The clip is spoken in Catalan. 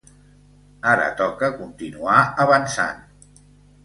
Ara toca continuar avançant!